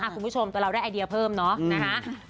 คุณผู้ชมแต่เราได้ไอเดียเพิ่มเนาะนะคะ